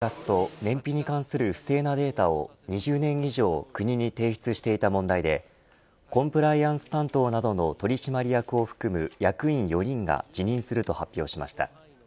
日野自動車はエンジンの排ガスと燃費に関する不正なデータを２０年以上国に提出していた問題でコンプライアンス担当などの取締役を含む役員４人が辞任すると発表しました。